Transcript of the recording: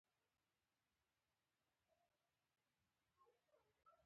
بدلون د ژوند له قانون سره برابر دی.